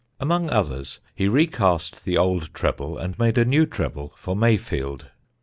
Among others he recast the old treble and made a new treble for Mayfield.